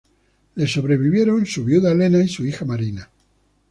Le sobrevivieron su viuda Elena y su hija Marina.